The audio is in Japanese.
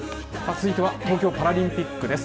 続いては、東京パラリンピックです。